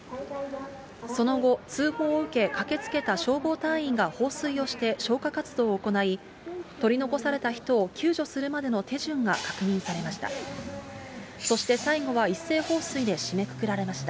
その後、通報を受け、駆けつけた消防隊員が放水をして消火活動を行い、取り残された人を救助するまでの手順が確認されました。